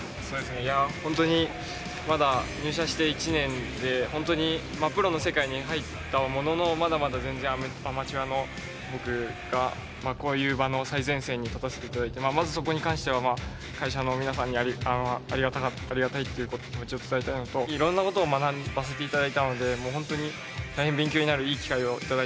ホントにまだ入社して１年でホントにプロの世界に入ったもののまだまだ全然アマチュアの僕がこういう場の最前線に立たせて頂いてまずそこに関しては会社の皆さんにありがたいっていう気持ちを伝えたいのといろんなことを学ばせて頂いたのでもうホントに大変勉強になるいい機会を頂いたと思っております。